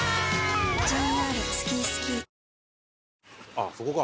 あっそこか。